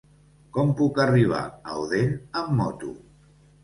Com puc arribar a Odèn amb moto?